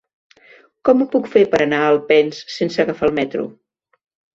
Com ho puc fer per anar a Alpens sense agafar el metro?